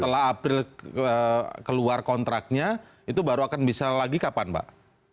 setelah april keluar kontraknya itu baru akan bisa lagi kapan pak